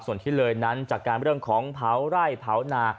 ส่วนที่เลยนั้นจัดการเรื่องของเผาไร่เผานา